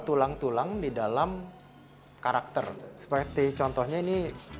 tulang tulang di dalam karakter seperti contohnya ini